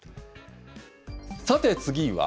さて、次は。